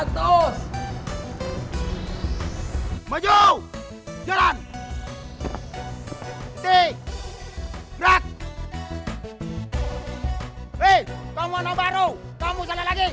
kau mau salah lagi